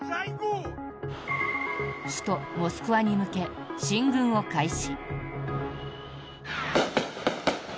首都モスクワに向け進軍を開始。